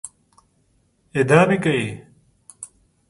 اعدام يې کړئ!